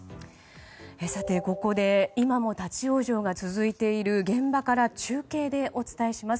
ここで、今も立ち往生が続いている現場から中継でお伝えします。